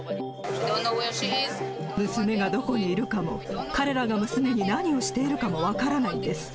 娘がどこにいるかも、彼らが娘に何をしているかも分からないんです。